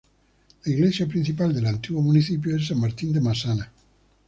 La iglesia principal del antiguo municipio es San Martín de Masana.